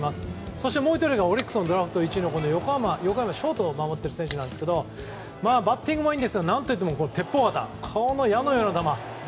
そして、もう１人がオリックスのドラフト１位横山聖哉、ショートを守っている選手なんですがバッティングもいいんですが矢のような球。